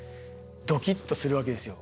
ドキッとするわけですよ。